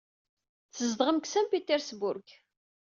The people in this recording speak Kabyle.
Tzedɣem deg Saint Petersburg.